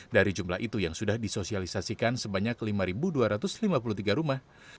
dari jumlah itu yang sudah disosialisasikan sebanyak lima dua ratus lima puluh tiga rumah